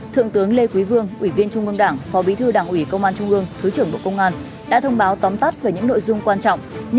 thượng tướng lê quý vương ủy viên trung ương đảng phó bí thư đảng ủy công an trung ương thứ trưởng bộ công an đã thông báo tóm tắt về những nội dung quan trọng như